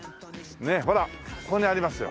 ほらここにありますよ。